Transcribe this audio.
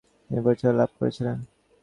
তিনি পরিচিতি লাভ করেছিলেন।